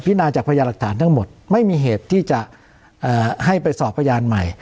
นาจากพยานหลักฐานทั้งหมดไม่มีเหตุที่จะให้ไปสอบพยานใหม่